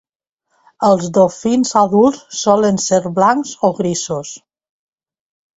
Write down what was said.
Els dofins adults solen ser blancs o grisos.